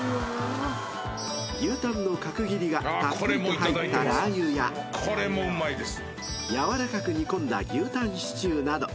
［牛タンの角切りがたっぷりと入ったラー油ややわらかく煮込んだ牛タンシチューなど］